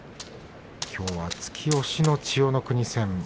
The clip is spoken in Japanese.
きょうは突き押しの千代の国戦。